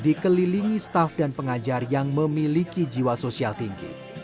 dikelilingi staff dan pengajar yang memiliki jiwa sosial tinggi